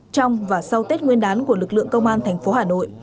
trong và sau tết nguyên đán của lực lượng công an thành phố hà nội